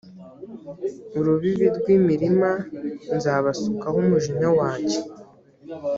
urubibi rw imirima nzabasukaho umujinya wanjye